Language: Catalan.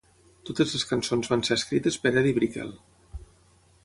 Totes les cançons van ser escrites per Edie Brickell.